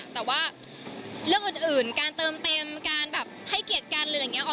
แต่ว่าเรื่องอื่นการเติมเต็มการแบบให้เกียรติกันหรืออะไรอย่างนี้